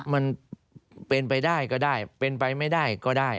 มันเป็นไปได้ก็ได้เป็นไปไม่ได้ก็ได้